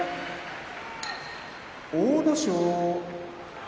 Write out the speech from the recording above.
阿武咲